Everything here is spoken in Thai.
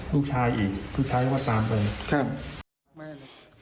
ลูกชายอีกลูกชายก็ตามไปครับ